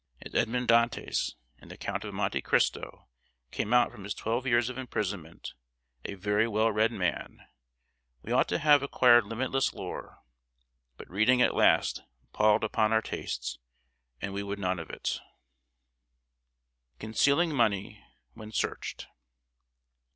As Edmond Dantes, in the Count of Monte Christo, came out from his twelve years of imprisonment "a very well read man," we ought to have acquired limitless lore; but reading at last palled upon our tastes, and we would none of it. [Sidenote: CONCEALING MONEY WHEN SEARCHED.